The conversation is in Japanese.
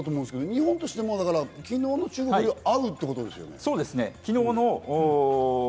日本としても昨日の中国より合うってことですよね。